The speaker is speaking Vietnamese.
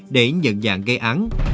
để nhận dạng gây án